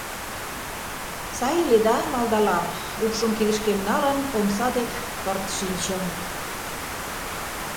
— Сай иледа?.. — малдалам, упшым кидышкем налын, омса дек кырт шинчым.